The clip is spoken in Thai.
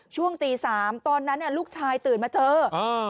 ช่วงตีสามตอนนั้นอ่ะลูกชายตื่นมาเจออ่า